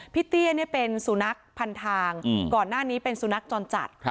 เตี้ยเป็นสุนัขพันทางก่อนหน้านี้เป็นสุนัขจรจัด